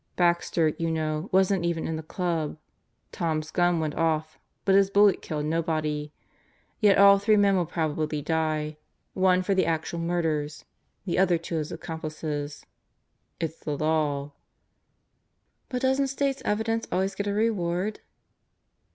Baxter, you know, wasn't even in the Club. Tom's gun went off, but his bullet killed nobody. Yet all three men will probably die: one for the actual murders, the other two as accomplices. It's the Law. ..." "But doesn't State's Evidence always get a reward?"